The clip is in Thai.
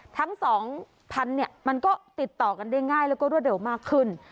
ทั้ง๒๐๐๐เนี่ยมันก็ติดต่อกันได้ง่ายแล้วก็รวดเร็วมากขึ้น